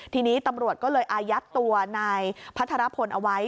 ทีนี้ตำรวจก็เลยอายัดตัวนายพัทรพลเอาไว้